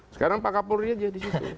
sekarang pak kapolri aja di situ